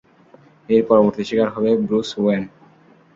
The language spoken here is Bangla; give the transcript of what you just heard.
এর পরবর্তী শিকার হবে ব্রুস ওয়েন।